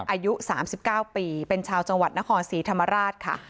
อายุสามสิบเก้าปีเป็นชาวจังหวัดนครศีธรรมราชคะ